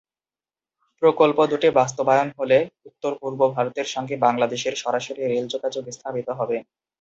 প্রকল্প দুটি বাস্তবায়ন হলে উত্তর-পূর্ব ভারতের সঙ্গে বাংলাদেশের সরাসরি রেল যোগাযোগ স্থাপিত হবে।